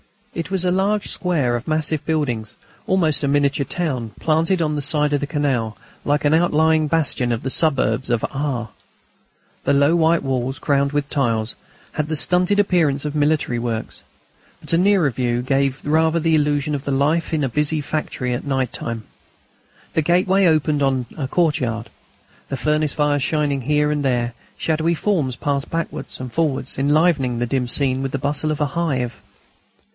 It was a large square of massive buildings, almost a miniature town, planted on the side of the canal, like an outlying bastion of the suburbs of R. The low white walls, crowned with tiles, had the stunted appearance of military works. But a nearer view gave rather the illusion of the life in a busy factory at night time. The gateway opened on a courtyard, with furnace fires shining here and there. Shadowy forms passed backwards and forwards, enlivening the dim scene with the bustle of a hive.